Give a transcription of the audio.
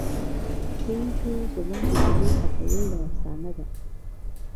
پيژو زموږ د جمعي تخیل یوه افسانه ده.